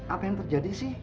apa yang terjadi sih